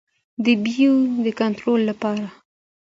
د بیو د کنټرول لپاره.